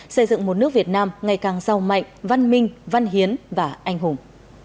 xây dựng một nước việt nam ngày càng giàu mạnh văn minh văn hiến và anh hùng